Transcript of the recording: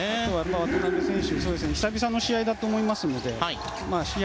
渡邊選手もそうですが久々の試合だと思いますので試合